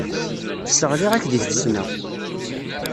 Sseɣliɣ-ak deg tfesna.